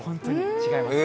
違いますよ！